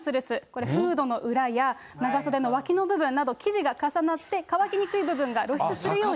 これ、フードの裏や長袖のわきの部分など、生地が重なって乾きにくい部逆さなんだ。